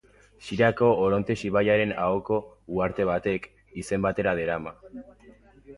Siriako Orontes ibaiaren ahoko uharte batek, izen bera darama.